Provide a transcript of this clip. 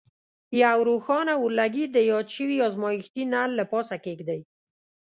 یو روښانه اورلګیت د یاد شوي ازمیښتي نل له پاسه کیږدئ.